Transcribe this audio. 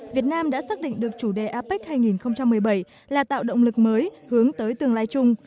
việt nam đã xác định được chủ đề apec hai nghìn một mươi bảy là tạo động lực mới hướng tới tương lai chung